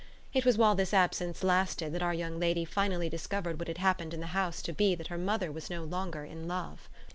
It was while this absence lasted that our young lady finally discovered what had happened in the house to be that her mother was no longer in love.